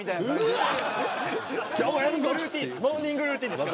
モーニングルーティーン。